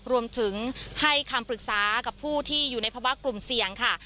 รวมถึงให้คำปรึกษากับผู้ที่อยู่ในภาวะกลุ่มเสี่ยงค่ะ